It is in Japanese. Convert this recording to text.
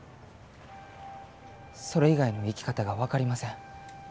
それ以外の生き方が分かりません。